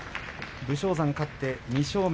武将山、勝って２勝目。